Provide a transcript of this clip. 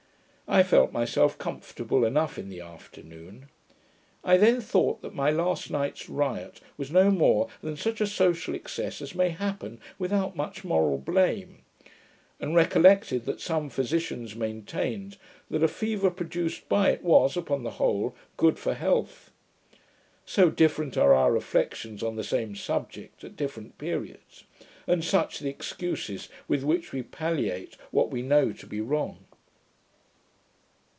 I felt myself comfortable enough in the afternoon. I then thought that my last night's riot was no more than such a social excess as may happen without much moral blame; and recollected that some physicians maintained, that a fever produced by it was, upon the whole, good for health: so different are our reflections on the same subject, at different periods; and such the excuses with which we palliate what we know to be wrong.